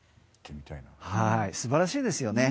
素晴らしいですよね。